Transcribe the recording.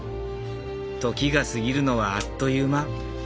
時が過ぎるのはあっという間。